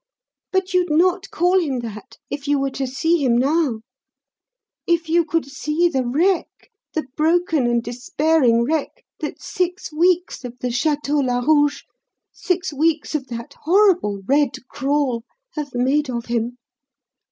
But you'd not call him that if you were to see him now; if you could see the wreck, the broken and despairing wreck, that six weeks of the Château Larouge, six weeks of that horrible 'Red Crawl' have made of him."